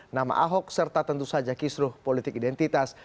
nama ahok serta tentu saja kisruh politik identitas